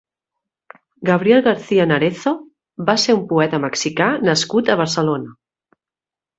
Gabriel García Narezo va ser un poeta mexicà nascut a Barcelona.